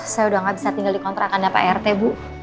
saya udah gak bisa tinggal di kontrakannya pak rt bu